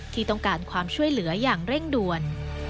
ที่ต้องการความช่วยเหลืออย่างเร่งด่วน